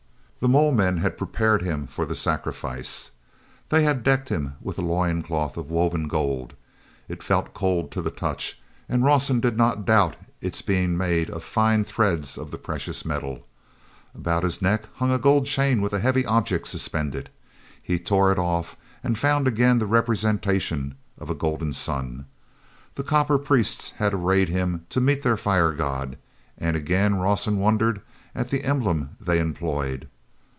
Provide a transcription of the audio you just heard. The mole men had prepared him for the sacrifice. They had decked him with a loin cloth of woven gold. It felt cold to the touch, and Rawson did not doubt its being made of fine threads of the precious metal. About his neck hung a gold chain with a heavy object suspended; he tore it off, and found again a representation of a golden sun. The copper priests had arrayed him to meet their fire god, and again Rawson wondered at the emblem they employed.